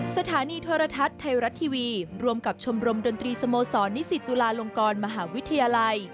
สถานีโทรทัศน์ไทยรัฐทีวีรวมกับชมรมดนตรีสโมสรนิสิตจุฬาลงกรมหาวิทยาลัย